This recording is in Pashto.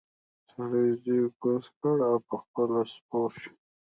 سړي زوی کوز کړ او پخپله سپور شو.